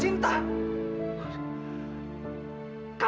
loh apa kasar